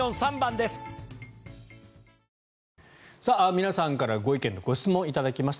皆さんからご意見・ご質問頂きました。